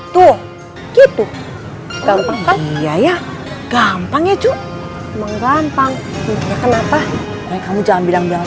tuh gitu gampang ya ya gampang ya cuk gampang kenapa kamu jangan bilang biala sama